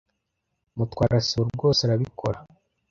Mutwara sibo rwose arabikora.